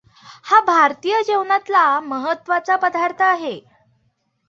हा भारतीय जेवणातला महत्त्वाचा पदार्थ आहे.